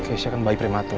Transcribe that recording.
keisha kan bayi prematur